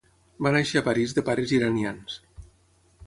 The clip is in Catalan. Va néixer a París de pares iranians.